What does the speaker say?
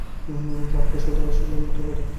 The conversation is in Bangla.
পাক্কা সর্দারের ছেলের মত কথা।